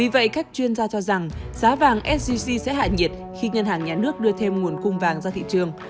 vì vậy các chuyên gia cho rằng giá vàng sgc sẽ hạ nhiệt khi ngân hàng nhà nước đưa thêm nguồn cung vàng ra thị trường